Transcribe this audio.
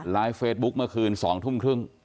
เฟซบุ๊คเมื่อคืน๒ทุ่มครึ่ง